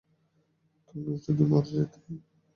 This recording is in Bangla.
তুই যদি মরে যেতি।